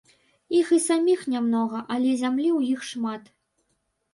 Іх саміх нямнога, але зямлі ў іх шмат.